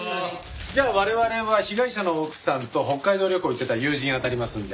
じゃあ我々は被害者の奥さんと北海道旅行行ってた友人あたりますので。